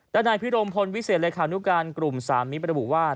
ด้านนายพิรมพลวิเศษเลขานุการกลุ่มสามมิตรระบุว่า